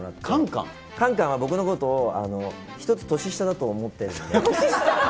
かんかんは僕のことを１つ年下だと思ってるんで。